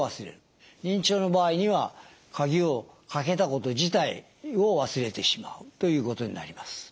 認知症の場合には鍵をかけたこと自体を忘れてしまうということになります。